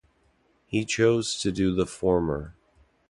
He chose to do the former.